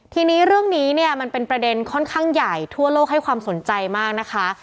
ทีนี้เรื่องนี้เนี่ยมันเป็นประเด็นค่อนข้างใหญ่ทั่วโลกให้ความสนใจมากนะคะ